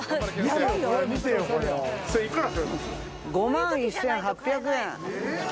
５万１，８００円。